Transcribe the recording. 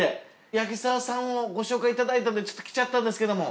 八木澤さんをご紹介いただいたんで来ちゃったんですけども。